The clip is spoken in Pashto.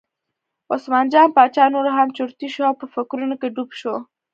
عثمان جان باچا نور هم چرتي شو او په فکرونو کې ډوب شو.